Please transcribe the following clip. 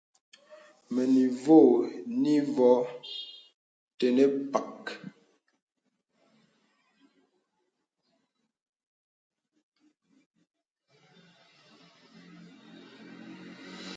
Mənə ivɔ̄ɔ̄ nì vɔ̄ɔ̄ tənə pək.